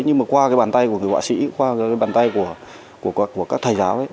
nhưng mà qua cái bàn tay của người họa sĩ qua cái bàn tay của các thầy giáo ấy